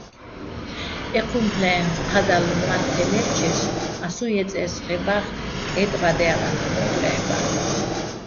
ეჴუმფლეჼ ჴადალ მათთე ლე́ფჩეშ ას უჼ ჲეწე́ს ხენბა́ხ კე́ტბადჲალაჼ ჴორ ლე́ჰ̦ბაჼ?